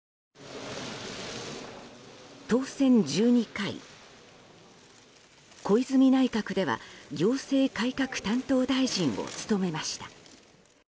当選１２回、小泉内閣では行政改革担当大臣を務めました。